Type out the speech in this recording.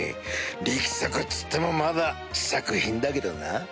力作っつってもまだ試作品だけどな。